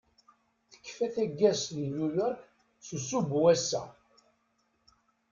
Tekfa taggazt n New York s usubbu ass-a.